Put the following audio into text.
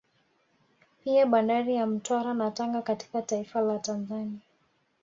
Pia Bandari ya Mtwara na Tanga katika taifa la Tanzania